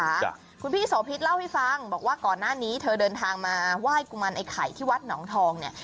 ครับคุณพี่โสพิษเล่าให้ฟังบอกว่าก่อนหน้านี้เธอเดินทางมาไหว้กุมารไอ้ไข่ที่วัดหนองทองเนี่ย